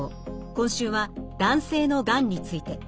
今週は男性のがんについて。